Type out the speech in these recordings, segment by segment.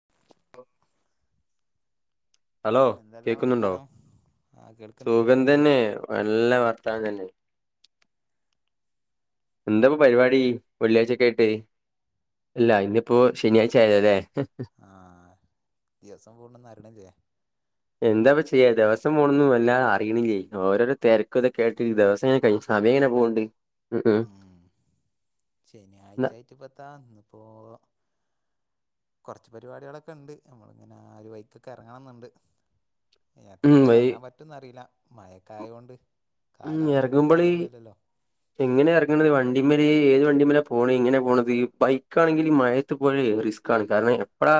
[unintelligible] Hello എന്തെല്ലാ കേക്കുന്നുണ്ടോ വർത്താനം ആഹ് കേൾക്കണ്ട് സുഖം കേൾക്കണ്ട് തന്നെ നല്ല വർത്താനം തന്നെ എന്താപ്പൊ പരിപാടി വെള്ളിയാഴ്ചൊക്കെ ആയിട്ട് ഇല്ല ഇന്നിപ്പോ ശനിയാഴ്ച ആയല്ലൊ ലേ ആഹ് ദിവസം പോണെന്നും അരണില്ലേ എന്താപ്പ ചെയ്യ ദിവസം പോണൊന്നും എല്ലാം അറീണില്ലേ ഓരോരോ തെര ക്ക്ത കേട്ട് ദെവസംങ്ങനെ കഴിഞ് സമയങ്ങനെ പോക്ണ്ട് ഉം ഉം ശനിയാഴ്ച ന്നാ ആയിറ്റ് ഇപ്പത്താ ഇന്ന്പ്പോ കൊറച്ച് പരിപാടികളൊക്കെ ഇണ്ട് നമ്മള് ഇങ്ങനെ ആ ഒരു വഴിക്കൊക്കെ എറങ്ങണന്നുണ്ട് ഉം എത്രത്തോളം വൈ എറങ്ങാൻ പറ്റുംന്ന് അറിയില്ല മയക്കെ ആയോണ്ട് ഉം കാലാവസ്ഥ നമുക്ക് ഇറങ്ങുമ്പോള് അനുകൂലല്ലല്ലോ എങ്ങനെ എറങ്ങണത് വണ്ടിമ്മല് ഏത് വണ്ടിമ്മല പോണ് ഇങ്ങനെ പോണത് ബൈക്കാണെങ്കില് മഴ [unintelligible] റിസ്ക്കാണ് കാരണം എപ്പഴാ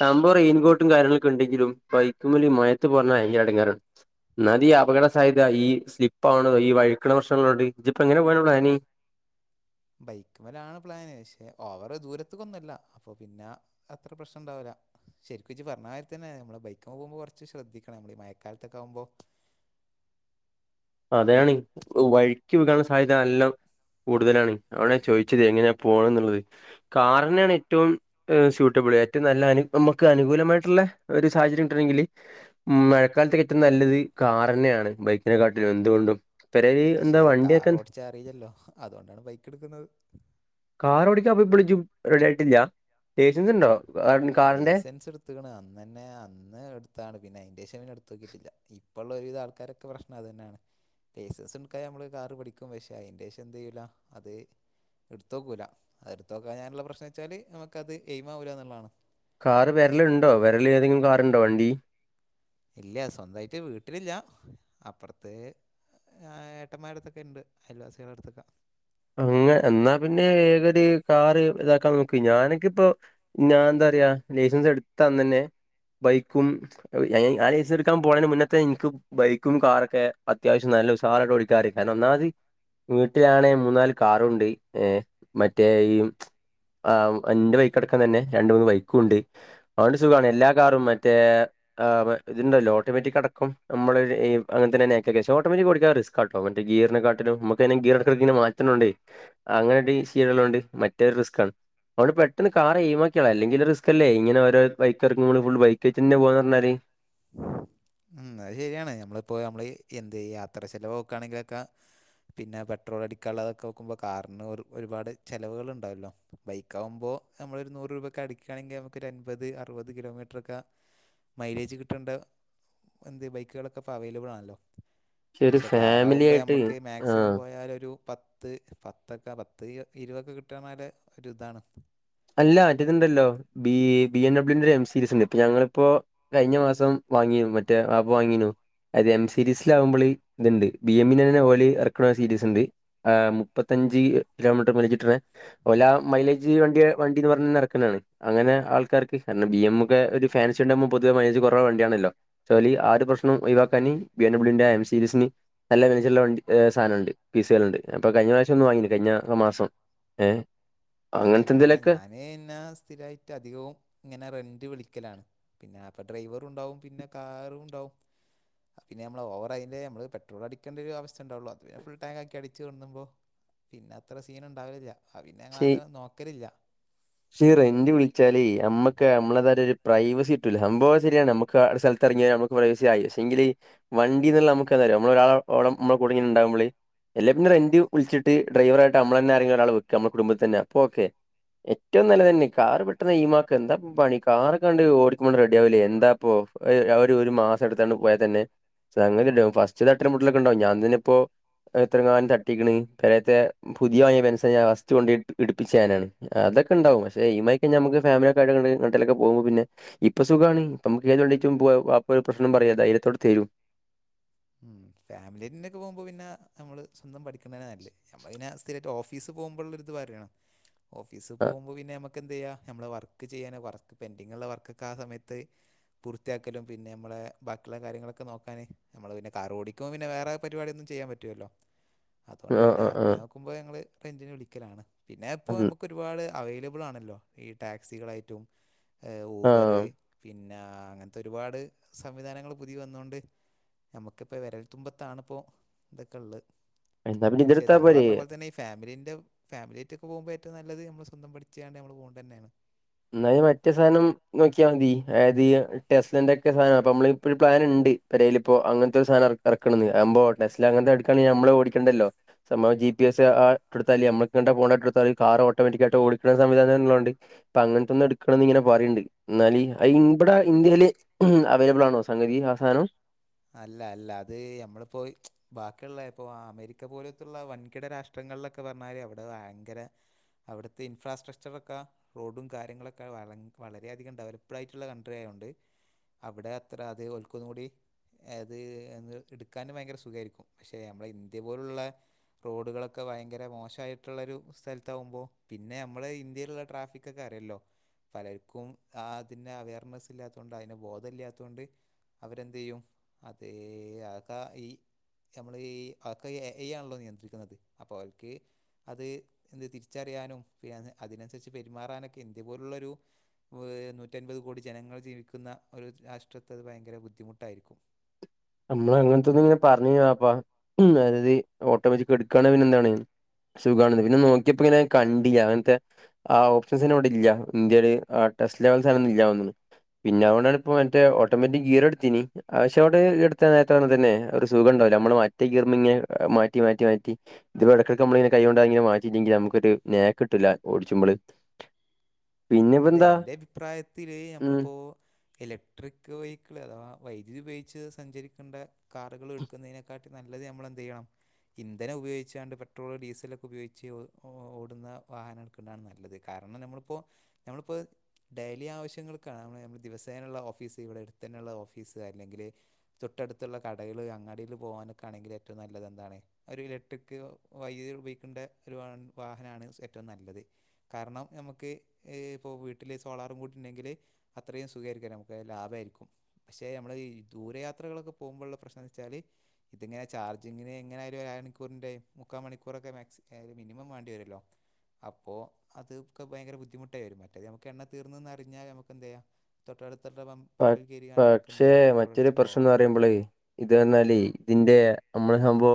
സംഭവം റെയിൻകോട്ടും കാര്യങ്ങളൊക്കെ ഇണ്ടെങ്കിലും ബൈക്കുമ്മല് മഴയത്ത് പോര് ണത് ഭയങ്കര എടങ്ങേറാണ് ഒന്നാമതീ അപകട സാധ്യത ഈ സ്ലിപ്പ് ആണോ ഈ വഴുക്കണ പ്രശ്നങ്ങളുണ്ട് ഇജ്ജ് ഇപ്പോ എങ്ങനെ പോകാനാ പ്ലാന് ബൈക്ക്മ്മലാണ് പ്ലാന് പക്ഷെ ഓവറ് ദൂരത്ത്ക്കൊന്നല്ല അപ്പൊ പിന്ന അത്ര പ്രശ്നണ്ടാവൂല ശരിക്കും ഇജ്ജ് പറഞ്ഞാരി തന്നെ നമ്മളെ ബൈക്ക്മെ പോക്മ്പൊ കൊറച്ച് ശ്രദ്ധിക്കണം നമ്മള് ഈ മയക്കാലത്തൊക്കെ ആവുമ്പോ അതാണ് [unintelligible] വഴി [unintelligible] സാധ്യത എല്ലാം കൂടുതലാണ് അതോണ്ട ഞാൻ ചോദിച്ചത് എങ്ങനെയാ പോണ് എന്നുള്ളത് കാറന്നേണ് ഏറ്റവും ഏഹ് സ്യൂട്ടബിള് ഏറ്റവും നല്ല അനു ഇപ്പം നമ്മക്ക് അനുകൂലമായിട്ടുള്ള ഒരു സാഹചര്യം ഉണ്ടുന്നെങ്കില് മഴക്കാലത്ത് ഏറ്റവും നല്ലത് കാറന്നേണ് ബൈക്കിനെ കാട്ടിലും എന്ത്കൊണ്ടും പക്ഷെ കാർ ഓടിച്ചാൻ അറിയില്ലല്ലോ അതുകൊണ്ടാണ് ബൈക്ക് എടുക്കുന്നത് കാർ ഓടിക്കാന് ഇപ്പളും ഇജ്ജ് റെഡിയായിട്ടില്ല ലൈസൻസ് ഇണ്ടോ [unintelligible] കാറിന്റെ എടുത്ത്ക്ക്ണ് അന്നന്നെ അന്ന് എടുത്താണ് പിന്നെ അയിന്റേഷം പിന്നെ എടുത്ത് നോക്കിയിട്ടില്ല ഇപ്പ ഉള്ള ഒരുവിധ ആൾക്കാരൊ ൻക്ക് പ്രശ്നം അത് തന്നെയാണ് ലൈസൻസ് എട്ക്കാൻ നമ്മള് കാറ് പഠിക്കും പക്ഷെ അയിന്റെ ശേഷം എന്ത് ചെയ്യൂല അത് ഇടുത്തോക്കൂല അത് ഇടുത്ത് നോക്കാഞ്ഞാലുള്ള പ്രശ്നം വെച്ചാല് നമുക്ക് അത് എയിമാവുല്ല എന്നുള്ളതാണ് കാറ് പെരലുണ്ടോ വെരല് ഏതെങ്കിലും കാറുണ്ടോ വണ്ടി ഇല്ല സ്വന്തായിട്ട് വീട്ടിലില്ല അപ്പറ്ത്ത് ഏഹ് ഏട്ടന്മാരട്ത്തൊക്കെ ഇണ്ട് അയൽവാസികൾടെ ട്ത്തൊക്കെ അങ്ങെ എന്നാ പിന്നെ [unintelligible] കാറ് ഇതാക്കാൻ നോക്ക് ഞാനൊക്കെ ഇപ്പോ ഞാൻന്താ പറയാ ലൈസൻസ് എടുത്തന്ന് തന്നെ ബൈക്കും ഞാന് ഞാന് ലൈസ് എട്ക്കാൻ പോയേന മുന്നത്തെ ഇൻക്ക് ബൈക്കും കാറൊക്കെ അത്യാവശ്യം നല്ല ഉസാറായിട്ട് ഓടിക്കാന് കാരണം ഒന്നാമത് വീട്ടിലാണേ മൂന്നാല് കാറുണ്ട് ഏഹ് മറ്റേ ഈ ആഹ് എന്റെ ബൈക്ക് അടക്കം തന്നെ രണ്ട് മൂന്ന് ബൈക്കും ഉണ്ട് അതോണ്ട് സുഖാണ് എല്ലാ കാറും മറ്റേ ആഹ് ഇത്ണ്ടല്ലോ ഓട്ടോമാറ്റിക് അടക്കം നമ്മള് ഈ അങ്ങൻ തന്നെ നേക്കാക്കല് പക്ഷെ ഓട്ടോമാറ്റിക് കൊട്ക്കല് റിസ് ക്കാട്ടോ മറ്റേ ഗീറിനെ കാട്ടിലും നമ്മക്കയിന് ഗിയറ് എട്ക്കല് ഇങ്ങനെ മാ റ്റുണോണ്ടെ അങ്ങൻടി ഈസി ആക്ണോണ്ട് മറ്റേ റിസ്കാണ് അതുകൊണ്ട് പെട്ടെന്ന് കാറെ എയിമാക്കിയള അല്ലങ്കില് റിസ്ക് അല്ലേ ഇങ്ങനെ ഓരോരെ ബൈക്ക് എറക്കുമ്പള് ഫുൾ ബൈക്കായിറ്റന്നെ പോവാന്ന് പറഞ്ഞാല് ഉം അത് ശരിയാണ് നമ്മളിപ്പോ നമ്മള് ഈ എന്ത് യാത്ര ചെലവ് നോക്കാണെങ്കിലൊക്കെ പിന്നെ പെട്രോൾ അടിക്കാനുള്ളതൊക്കെ നോക്കുമ്പോ കാറിന് ഒരു ഒരുപാട് ചെലവുകള് ഉണ്ടാവല്ലോ ബൈക്ക് ആകുമ്പോ നമ്മളൊരു നൂറ് രൂപയൊക്കെ അടിക്കുകയാണെങ്കിൽ നമുക്കൊരു അൻമ്പത് അറുപത് കിലോമീറ്ററൊക്കെ മൈലേജ് കിട്ടേണ്ട എന്ത് ബൈക്കുകളൊക്കെപ്പ അവൈലബിൾ ആണല്ലോ പക്ഷെ ഒരു ക്ഷെ ഫാമിലി കാറാവുമ്പോ ആയിട്ട് ഞമ്മക്ക് മാക്സിമം ആഹ് പോയാൽ ഒരു പത്ത് ത്ത് പത്തൊക്കെ പത്ത് ഇരുവൊക്കെ കിട്ടുക എന്നാൽ ഒരിതാണ് അല്ല ആറ്റിത്ണ്ടല്ലോ ബി ബി എം ഡബ്യൂന്റെ എം സീരീസ്ണ്ട് ഇപ്പൊ ഞങ്ങളിപ്പോ കഴിഞ്ഞ മാസം വാങ്ങീനു മറ്റേ ആപ്പ വാങ്ങീനു അത് എം സീരീസില ആവുമ്പോൾ ഇതുണ്ട് ബി എം നെ ഓല് എർക്ണ സീരീസ്ണ്ട്. ആഹ് മുപ്പത്തഞ്ച് കിലോമീറ്റർ മയിലിജ്ട്ടണ ഓല മൈലേജ് വണ്ടിയ വണ്ടിന്ന് പറഞ്ഞ നടക്ന്നാണ്. അങ്ങനെ ആൾക്കാർക്ക് കാരണം ബി എം ഒക്കെ ഒരു ഫാൻസി ഉണ്ടാവുമ്പോ പൊതുവെ മൈലേജ് കൊറവ് വണ്ടിയാണല്ലോ ചോലി ആ ഒരു പ്രശ്നം ഒഴിവാക്കാന് ബി എം ഡബ്ല്യുന്റെ എം സീരീസിന് നല്ല ഫിന്ച്ചറുള്ള വണ്ടി സാധനംണ്ട് പീസുകളൾണ്ട് അപ്പ കഴിഞ്ഞ പ്രാവശ്യം ഒന്ന് വാങ്ങിഞ് കഴ്ഞ്ഞ മാസം ഏഹ് അങ്ങനത്തെ എന്തെലക്ക ഞാന് ഇന്നാ സ്ഥിരയിട്ട് അധികവും ഇങ്ങനെ റെന്റ് വിളിക്കലാണ് പിന്നെ അപ്പൊ ഡ്രൈവറൂംണ്ടാവും പിന്നെ കാറുംണ്ടാവും പിന്നെ നമ്മള് ഓവർ അയിന്റെ നമ്മള് പെട്രോളടിക്കേണ്ട ഒരു അവസ്ഥണ്ടാവുള്ളു അത് പി ഫുൾ ടാക് ആക്കി അടിച്വിന്നുമോ പിന്നെ അത്ര സീന്ണ്ടാവലില്ല പിന്നെ ഞങ്ങളത് നോക്കലില്ല ഷേ ഈ റെന്റ് വിളിച്ചാല് അമ്മക്ക് അമ്മളെ തയിട്ട് ഒരു പ്രൈവസി കിട്ടൂല്ല സംഭവം ശരിയാണ് അമക്ക് സ്ഥലത്ത് ഇറങ്ങിയ മു ക്ഷെ എങ്കിൽ വണ്ടിന്ള്ള നമുക് എന്താ നമ്മള ഒരാളഓ മ്മളെ കുടുങ്ങിണ്ടകുമ്പള്. എല്ലാ പിന്നറെന്റ് വിളിച്ചിട്ട് ഡ്രൈവറാ യിട്ട്അമ്മളനെ ആരെങ്കില ഒരാൾ വെക്ക അമ്മുടെ കുടബതന്നെ അപ്പോ ഓക്കെ ഏറ്റവും നല്ലതന്നെ കാറ് പെട്ടന്ന് ഏയ്‌മാക്കക എന്താ പണി കാറൊക്കെ കണ്ട് ഓടിക്കുമ്പോ റെഡിയാവൂല്ലേ എന്താ അപ്പൊ അവര് ഒരു മാസം എടുത്താണ് പോയാതന്നെ സങ്ങതി ടി ആവും ഫസ്റ്റ് തട്ടല് മുട്ടിലൊക്കെണ്ടാവും ഞാൻ തന്നെ ഇപ്പോ എത്രങ്ങാനം തട്ടിങ്‌ണ് പേരെത്തെ പുതിയ വങ്ങിയ ബെൻസാ ഞാൻ ഫസ്റ്റ് കൊണ്ടേയ് ഇടിപ്പിച്ചാനാണ് അതൊ കെണ്ടാവും പക്ഷെ ഈമായിക്ക അമക്ക് ഫാമിലക്കെയിട്ട് ങേണ്ടിലക്കെ പോക്മ്പോ പിന്നെ ഇപ്പൊ സുഖണ് ഇപൊമക്ക് ഏത്ണ്ടിയ്ട്ടും പോവാ വാപ്പ ഒരു പ്രശ്നം പറയാ ധൈര്യത്തോടെ തരും. ഉം ഫാമിലിന്നേക്കെ പോകുമ്പോ പിന്നെ നമ്മള് സ്വന്തം പഠിക്കേണെ നല്ലേ നമ്മളിനെസ് റ്റ ഓഫീസ് പോകുമ്പോൾള്ളത് വാര്യാണ്. ഓഫീസ് പോകുമ്പോൾ പിന്നെ അമക്ക് എന്തയ്യാം അമ്മെളെ വർക്ക് ചെയ്യൻ വർക്ക് പെൻഡിങ്ള്ള വർക്ക്ക്കെ ആ സമയത്ത് പൂർത്തിയാക്കലും പിന്നെ അമ്മളെ ബാക്കിയുള്ള കാര്യങ്ങളൊക്കെ നോക്കാൻ അമ്മൾ പിന്നെ കറോടിക്കും പിന്നെ വേറെ പരിപാടിയൊന്നും ചെയ്യാൻ പറ്റുലല്ലോ ആഹ് അതോണ്ട് പിന്നെ ആഹ് ആഹ് അങ്ങനെയൊക്കെ പോവുബോ ഞങ്ൾ റെന്റിന് വിളിക്കലാണ് പിന്നെ ഇപ്പൊ അമക്ക് ഒരുപാട് അവൈലബിൾ ആണല്ലോ ഈ ടാക്സികളായിട്ടും ഏഹ് ഊബറ് ആഹ്. പിന്നാ അങ്ങൻത്തെ ഒരുപാട് സംവിധാനങ്ങൾ പുതിയ വന്നതോണ്ട് നമ്മക്കിപ്പോ വെരൽത്തുമ്പത്താണ്പ്പോ ഇതൊക്കെള്ളത് എന്നാ പിന്നെ പക്ഷേ ഇതെടുത്താ താങ്കൾ പറഞ്ഞ പോരേ. പോലെ തന്നെ ഫാമിലിൻ്റെ ഫമിലായിറ്റൊക്കെ പോകുമ്പോ ഏറ്റവും നല്ല നമ്മ സ്വന്തംഠിച്ചാണ്ട് നമ്മൾ പോണ്ട തന്നെയാണ് എന്നായ മറ്റേ സാനം നോക്കിയാ മതി അതായത് ടെസ്ലന്റോക്കെ സാനാ അപ്പൊ അമ്മള് ഇപ്പോ ഒരു പ്ലാൻണ്ട്. പെരയിലിപ്പോ അങ്ങൻത്തെ ഒരു സാനം എറക്കണന്ന് അവുമ്പോ ടെസ്ല അങ്ങനത്തെടുക്കണെ അമ്മള് ഓടിക്കണ്ടല്ലോ? സംഭവം ജി പി എസ് ആ ട്ടൊടുത്താല് അമ്മക്ക്ങ്ങോട്ട പോണെട്ട എടുത്തല് കാർ ഓട്ടോമാറ്റിക്കയിട്ട് ഓടിക്കണ സംവിധാനള്ളോണ്ട്. പ്പ അങ്ങനത്തെന്ന എടുക്കണ എന്ന്ങ്ങനെ പറയുണ്ട് എന്നാല് അ ഇവിടെ ഇന്ത്യൽ അവൈലബിൾ ആണോ സംഗതി ആ സാധനം അല്ല അല്ല അത് നമ്മളിപ്പോ ബാക്കിയുള്ള ഇപ്പൊ അമേരിക്ക പോലത്തുള്ള വൻകിട രാഷ്ട്ര ട്രങ്ങളിലൊക്കെ പറഞ്ഞാരി അവിടെ വയങ്കര അവിടത്തെ ഇൻഫ്രാസ്ട്രക്ചറൊക്കെ റോഡും കാര്യങ്ങളൊക്കെ വ വളരെയധികം ഡെവലപ്ഡ് ആയിട്ടുള്ള കൺട്രി ആയൊണ്ട് അവ്ടെ അത്ര അതികം ഓൽക്കൊന്നുടി എത് എന്നൊരു ഇട്ക്കാൻ ഭയങ്കര സുഖായിരിക്കും പക്ഷേ നമ്മള ഇന്ത്യ പോലുള്ള റോഡുകളൊക്കെ ഭയങ്കര മോശയിട്ട്ള്ളൊരു സ്ഥലത്തവുമ്പോ പിന്നെ നമ്മള് ഇന്ത്യയിലുള്ള ട്രാഫിക് കക്കാറിയല്ലോ പലർക്കും ആതിന്റെ അവയർനെസ് ഇല്ലാത്തൊണ്ട് അയിനെ ബോധം ഇല്ലാത്തൊണ്ട് അവരെന്തെയ്യും അതേ ആക ഈ ഞമ്മള് ഈ അക്കെ എഇഐആണല്ലോ നിയന്ത്രിക്കുന്നത് അപ്പൊ അവര്ക്ക് അത് ന്ത് തിരിച്ചറിയാനും പിന്നെ അതിനന്സരിച്ച് പെരുമാറാനൊക്കെ ഇത്പോലുള്ളൊരു ഓ നൂറ്റൻപത് കോടി ജനങ്ങൾ ജീവിക്കുന്ന ഒരു രാഷ്ട്രത്ത്അത് ഭയങ്കര ബുദ്ധിമുട്ടായിരിക്കും നമ്മള് അങ്ങനെത്തെത് പറഞ്ഞിനി അപ്പ മര്തി ഓട്ടോമേറ്റിക്ക് എട്കാണെകി പിന്നെ ന്താണ് സുഖാണ് പിന്നെ നോക്കിയപ്പോ ങ്ങനെ കണ്ടീല്ല അങ്ങന് ത്തെ ആ ഓപ്ഷസൻവ്ടെ ഇല്ലൃ ഇന്ത്യയ്ടെ ആ ടെസ്റ്റ് ലെവൽസ്നോന്നും ഇല്ലാതോന്ന്ണ് പിന്നെ അവ്ടെ ഇപ്പൊ മറ്റേ ഓട്ടോമാറ്റിക് ഗീർ ട്ത്തീനിം അശ വ്ടെ ഇട് ത്തനതാട് തന്നെ ഒരു സുഖണ്ടാവൂല നമ്മള് മറ്റെ ഗീർമെങ്ങിനെ മാറ്റി മാറ്റി മാറ്റി ഇതിപ്പൊ എടകടക്ക്കമ്മള് കൈയ്യോണ്ടാങ്ങി മാറ്റില്ലെങ്കിൽ നമ്ക്കൊരു നേക്ക്ട്ടൂല ഓടിച്ചുമ്പള് അതെ എന്റെ അഭിപ്രായത്തില് ഉം നമ്മളിപ്പോ ഇലക്ട്രിക്ക് വെഹിക്കിള് ആ വൈദ്യുതി ഉപയോഗിച്ച് സഞ്ചരിക്കണ്ട കാറുകൾ ട്ക്കുന്നതിനെക്കാട്ടി നല്ലത് നമ്മളെന്തിയ്യണം ഇന്ധനം ഉപയോഗിച്ചാണ്ട് പെട്രോള് ഡീസലൊക്കെ ഉപയോഗിച്ച് ഒ ഓടുന്ന വാഹന ക് ടാണ് നല്ലത് കാരണം നമ്മള്പ്പോ നമ്മളിപ്പത് ഡെയിലി ആവിശ്യങ്ങൾക്കാണ് നമ്മ നമ്മൾ ദിവസേനള്ള ഓഫീസ് ഇവിടെ ട്ത്തെന്നെയുള്ള ഓഫീസ് അല്ലെങ്കിൽ തൊട്ടടുത്തുള്ള കടകൾ അങ്ങാടിയിൽ പോകാനൊക്കാണെങ്കിൽ ഏറ്റവും നല്ലത് എന്താണ് ഒരു ഇലക്ട്രിക്ക് വൈദ്യുതി ഉപയോഗിക്കെണ്ട ഒരു വളണ് വാഹനാണ് ഏറ്റവും നല്ലത് കാരണം ഞമക്ക് ഏ ഇപ്പോ വീട്ടിൽ സോളാറും കൂടി ഉണ്ടെങ്കിൽ അത്രയും സുഖായിരിക്കുലമക്ക് ലാഭായിരിക്കും പക്ഷേ ഞമ്മൾ ഈ ദൂരയാത്രകളൊക്കെ പോകുമ്പോള്ള പ്രശ്നൊച്ചാൽ ഇതിങ്ങനെ ചാർജിങ്ങിന് എങ്ങനെയാലും ഒരു അര മണിക്കൂറിൻ്റെ മുക്കാ മണിക്കൂറൊക്കെ മാക്സി മിനിമം വാണ്ടി വെരോല്ലോ അപ്പോ അത് ക്ക് ഭയങ്കര ബുദ്ധിമു ട്ടെരും മറ്റേ ഞമക്ക് എണ്ണ തീർന്ന് ന്നറിഞ്ഞാൽ ഞമക്കെന്തെ‌യ്യ തോട്ടടുത്തുള്ള പമ്പ് പ പമ്പിൽ കയറിയാണ്ട് നമുക്ക് പക്ഷേ എന്ത് ചെയ്യാം പെട്രോൾ മറ്റൊരു അടിച്ച് പ്രശ്നം പോവാം എന്ന് പറയുമ്പളേ ഇത് വന്നാലേ ഇതിന്റെ നമ്മള് ഹംമ്പഒ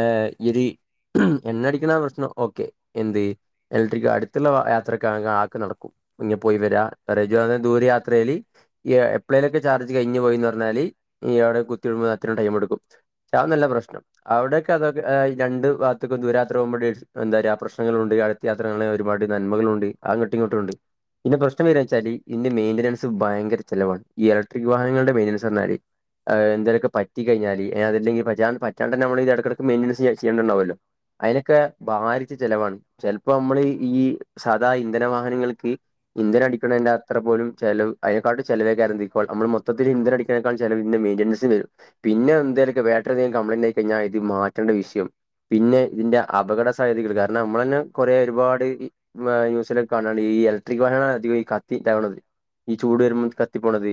ഏ ഇരി എണ്ണ അടിക്ക്ണാ പ്രശ്നം ഓക്കെ എന്ത് എലക്ട്രിക്ക് അട്ത്തുള്ള യാത്രക്കാണെങ്കിൽ ആക്കെ നടക്കും ഇഞ്ഞ പോയി വരാം [unintelligible] പറഞ്ഞാൽ ദൂരെ യാത്രയില് എ എപ്പോളെലൊക്കെ ചാർജ് കഴിഞ്ഞു പോയി പറഞ്ഞാല് ഇനി അവിടെ കുത്തി ഇടുമ്പോ അത്രയും ടൈമെടുക്കും ഷാന്നു അല്ല പ്രശ്നം അവ്ടെക്കെ അതൊക്കെ ഏ രണ്ട് ഭാഗതുക്കും ദൂരാത്ര പോകുമ്പോഴ് എന്താറയാ പ്രശ്നങ്ങളുണ്ട് അ യാത്കള് ഒരുപാട് നന്മകളുണ്ട് അങ്ങോട്ടു ഇങ്ങോട്ടുണ്ട് പിന്നെ പ്രശ്നം വെരാച്ചാൽ ഇതിന്റെ മെയിന്റിനൻസ് ഭയങ്കര ചെലവാണ് ഈ ഇലക്ട്രി വാഹനങ്ങളുടെ മെയിൻനൻസറഞ്ഞാൽ അ എന്തേലൊക്കെ പറ്റി കഴിഞ്ഞാല് ഏ അതല്ലെങ്കി ബജാൻ പറ്റാണ്ടന്നെമ്മള് എടക്കടക്ക് മെനുയിസി [unintelligible] യ്യ്ണ്ടാവോലൊ അയിനൊക്കെ ബാരിച്ച ചെലവാണ് ചെലപ്പോ നമ്മള് ഈ സദാ ഇന്ധന വാഹനങ്ങൾക്ക് ഇന്ധന അടിക്കണേന്റെ അത്ര പോലും ചെലവ് അയ്‌നാകാടിം ചെലവെക്കാരംതിക്കോൾ നമ്മള് മൊത്തത്തില് ഇന്ധനം അടിക്കെനെക്കാൾ ചെലവ് ഇതിന്റെ മെയിന്റൻസിന് വെരും പിന്നെ എന്തേലൊക്കെ ബാറ്ററി എന്തെലും കംപ്ലൈന്റ് ആയി കഴിഞ്ഞാൽ ഇത് മാറ്റേണ്ട വിഷയം പിന്നെ ഇതിന്റെ അപകട സാധ്യതികൾ കാരണം നമ്മളെന്നെ കുറെ ഒരുപാട് ന്യൂസിലക്കെ കാണുണ്ട് ഈ ഇലക്ട്രിക് വാഹനാണ് അധികം ഈ കത്തി ഇതാവ്ണത്. ഈ ചൂട് വരുമ്പോം. കത്തിപ്പോണത്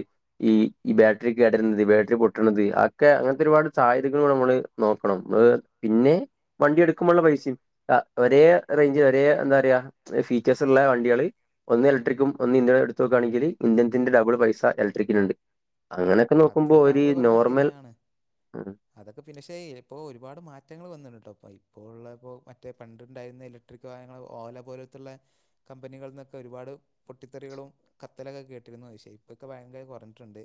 ഈ ഈ ബാറ്ററി കേടരുന്നത് ബാറ്ററി പൊട്ടണത് ഒക്കെ അങ്ങനത്തെ ഒരുപാട് സാധ്യതകളുടെ നമ്മള് നോക്കണം മ്മൾ പിന്നെ വണ്ടി എടുക്കുമ്പോള്ള പൈസയും. ആഹ് ഒരേ റേഞ്ച് ഒരേ എന്താറയാ ഫീച്ചേഴ്സ് ഉള്ള വണ്ടികള് ഒന്ന് ഇലക്ട്രിക്കും ഒന്ന് ഇന്ധനം എടുത്തു ക്കാണിക്കല് ഇന്ധനത്തിന്റെ ഡബിൾ പൈസ ഇലക്ട്രിനുണ്ട്. അങ്ങനെയൊക്കെ അത് നോക്കുമ്പോ ഒരി താങ്കൾ പറഞ്ഞത് നോർമൽ ശരിയാണ് അതൊക്കെ ഫിനിഷായിലെപ്പോ ഒരുപാട് മാറ്റങ്ങൾ വന്ന്ക്ണ് ട്ടോ പ്പോ ഇപ്പോള് ള്ളപ്പോ മറ്റേ പണ്ടുണ്ടായിരുന്നേലും ഇക്ട്രിക് വാഹനങ്ങൾ ഓല പോലത്തുള്ള കമ്പനികളിൽ നിന്നൊക്കെ ഒരുപാട് പൊട്ടിത്തെറികളും കത്തലൊക്കെ കേട്ടിരുന്നു പക്ഷേ ഇപ്പൊക്കെ ഭയങ്കര കൊറഞ്ഞിട്ടുണ്ട്.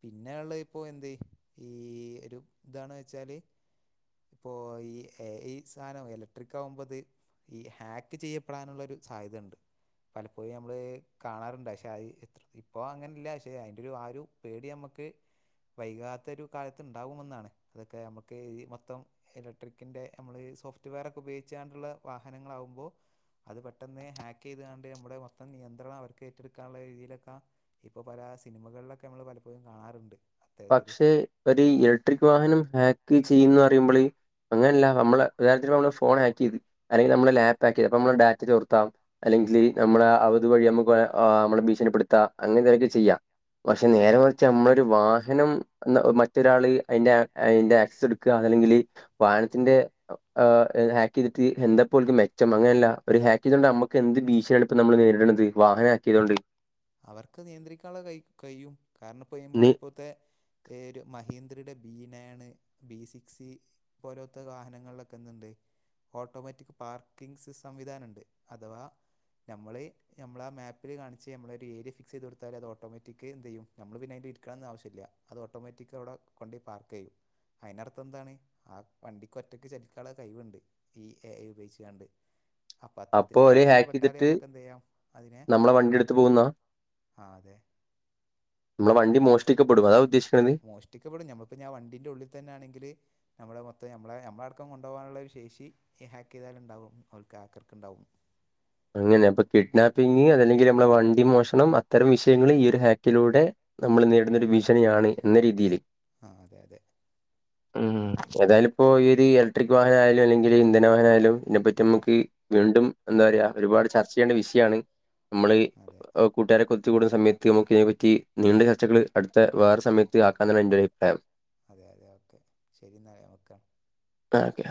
പിന്നെ ഉള്ള ഇപ്പോ എന്തേ ഈ ഒരു ഇതാണ് വെച്ചാല് ഇപ്പോ ഈ എ ഈ സാധനം ഇലക്ട്രിക് ആവുമ്പോ ഇത് ഈ ഹാക്ക് ചെയ്യപ്പെടാനുള്ളൊരു സാധ്യതയണ്ട്. പലപ്പോഴി നമ്മള് കാണാറുണ്ട് പക്ഷെ അതിത്ര ഇപ്പോ അങ്ങനെല്ല പക്ഷെ അതിന്റെ ഒരു ആ ഒരു പേടി നമ്മക്ക് വൈകാത്തൊരു കാലത്ത് ഉണ്ടാവുമെന്നാണ് അതൊക്കെ നമുക്ക് ഈ മ മൊത്തം ഇലക്ട്രിക്കിൻ്ന്റെ നമ്മൾ ഈ സോഫ്റ്റ് വെയർ ഉപയോഗിച്ചണ്ടുള്ള വാഹനങ്ങള്ളാവുമ്പോ അത് പെട്ടെന്ന് ഹാക്ക് ചെയ്താണ്ട് നമ്മുടെ മൊത്തം നിയന്ത്രണം അവർക്ക് ഏറ്റെടുക്കാനുള്ള രീതിയിലൊക്കെ ഇപ്പോ പല സിനിമകളിലൊക്കെ നമ്മൾ പലപ്പോഴും കാണാറുണ്ട്. അത്തരത്തിൽ പക്ഷെ ഒരു ഇലക്ട്രിക് വാഹനം ഹാക്ക് ചെയ്യന്ന് പറയുമ്പോള് അങ്ങനെല്ല നമ്മള് ഒരു കാര്യത്തിന് ഫോൺ ഹാക്ക് ചെയ്ത് അല്ലെങ്കിൽ നമ്മള് ലാപ്പ്ഹാക്ക് ചെയ്ത് അപ്പ നമ്മ ഡാറ്റ ചോർത്താം. അല്ലെങ്കിൽ നമ്മളെ അവത് വഴി നമ്മുക്ക് അനെ ആ ഭീഷണിപ്പെടുത്താം അങ്ങനെ ചെയ്യാം പക്ഷെ നേരെ മറച്ച് നമ്മളൊരു വാ വാഹനം മറ്റൊരാള് അയിന്റെ അയിന്റെ ആക്സസ് എടുക്കുക അതല്ലെങ്കില് വാഹനത്തിന്റെ ഹാക്ക് ചെയ്തിട്ട് എന്താപ്പോൽക്ക് മെച്ചം അങ്ങനെയല്ല ഒരു ഹാക്ക് ചെയ്തിട്ട് നമ്മക്ക് എന്ത് ഭീഷണിയാണ് ഇപ്പൊ നമ്മൾ നേരിടണന്നത്- വാഹന ഹാക്കിയതുകൊണ്ട്? അവർക്ക് നിയന്ത്രിക്കാനുള്ളെ കയി കയ്യും കാരണം ഇപ്പോ നമ്മള ഇനി ഇപ്പോത്തെ ഏരു മഹീന്ദ്രയുടെ ബീനാണ് ബി നയണ് സിക്സ്റ്റി പോലൊത്തെ വാഹനങ്ങളിലൊക്കെന്ത്ണ്ട്? ഓട്ടോമാറ്റിക് പാർക്കിംഗസിസ് സംവിധാനം ഇണ്ട് അഥവാ ഞമ്മള് ഞമ്മളാ മാപ്പിൽ കാണിച്ച് നമ്മള് പേര് ഫിക്സെയ്ത് കൊടുതാല് അത് ഒട്ടോമാറ്റിക്ക് എന്തെയ്യും നമ്മള് പിന്നെ ഐന്റെ ഇരിക്കണം ആവശ്യയില്ല അത് ഓട്ടോമാറ്റിക്ക് അവിടെ കൊണ്ട് പാർക്കെയ്യും അയിനർത്ഥം എന്താണ് ആ വണ്ടിക്ക്ഒറ്റക്ക് ചലിക്കൊള്ള കഴിവുണ്ട്. ഈ എ ഉപയോഗിച്ച് ആണ്ട് അപ്പോ അപ്പാതെട്ത്തിണ്ട് ഓല് ഹാക്ക്യ്ത് ഹാക്ക് വിട്ടാൽ നമുക്ക് എന്തെയ്യാം അതിനെ ത് പൊന്നാ ആഹ് അതെ. മ്മ്ളെ വണ്ടി മോഷ്ടികപ്പെടും അതാ ഉദ്ദേശിക്കുണത്? മോഷ്ടിക്കപ്പെടും ഞമ്മക്ക് ഞാ വണ്ടീൻ്റെ ഉള്ളിൽ തന്നാണെങ്കില് നമ്ളെ മൊത്തം നമ്മളെ നമ്മള അടക്കം കൊണ്ടകാനുള്ള ഒരു ശേഷി ഈ ഹാക്ക്യ്താലുണ്ടാവും ഓൽക്ക് ഹക്കർക്ക് ഉണ്ടാവും. അങ്ങനെ അപ്പൊ കിഡ്നാപ്പിംഗ് അതല്ലെങ്കിൽ നമ്മുടെ വണ്ടി മോഷണം അത്തരം വിഷയങ്ങളിൽ ഈ ഒരു ഹാക്കിലൂടെ നമ്മള് നേരിടുന്നൊരു ഭീഷണിയാണ് എന്ന രീതില് ആഹ് അതെയതെ. [inaudible] ഉം ഏതായാല് ഇപ്പോ ഈ ഒരു ഇലക്ട്രിക് വാഹനയാലും അല്ലെങ്കിൽ ഇന്ധന വാഹന ആയാലും ഇതിനെപ്പറ്റി നമക്ക്. വീണ്ടും എന്താ പറയാ ഒരുപാട് ചർച്ച ചെയ്യേണ്ട വിഷയാണ് നമ്മള്. അതെ കൂട്ടാരക്കെ ഒത്തുകൂടുന്ന സമയത്ത് നമുക്ക് അയിനെ പറ്റി നീണ്ട ചർച്ചകൾ അടുത്ത വേറെ സമയത്ത് ആക്കാ എന്ന്ളെ എന്റെ ഒരു അഭിപ്രായം അതെ അതെ ഓക്കെ ശരി ഇന്നാൽ ഓക്കേ. ഓക്കെ.